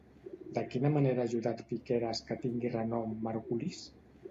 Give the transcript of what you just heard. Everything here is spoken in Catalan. De quina manera ha ajudat Piqueras que tingui renom Margulis?